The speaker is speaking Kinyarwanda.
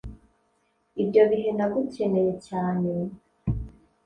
ibyo bihe nagukeneye cyane